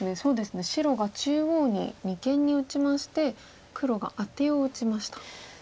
白が中央に二間に打ちまして黒がアテを打ちました。